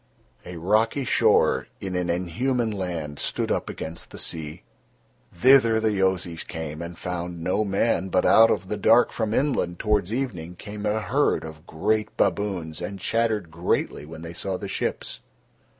A rocky shore in an inhuman land stood up against the sea. Thither the Yozis came and found no man, but out of the dark from inland towards evening came a herd of great baboons and chattered greatly when they saw the ships.